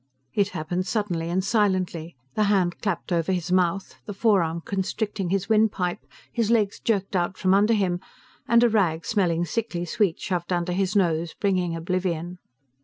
It happened suddenly and silently, the hand clapped over his mouth, the forearm constricting his windpipe, his legs jerked out from under him, and a rag smelling sickly sweet shoved under his nose, bringing oblivion.